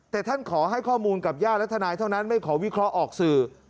แต่ท่านขอให้ข้อมูลกับญาติและทนายเท่านั้นไม่ขอวิเคราะห์ออกสื่อ